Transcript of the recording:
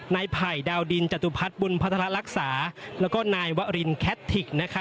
นายภัยย์ดาวดินจตุพทธ์บุญพัทรรักษาแล้วก็นายวะรินแคดธิก